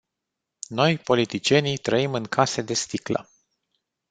Noi, politicienii, trăim în case de sticlă.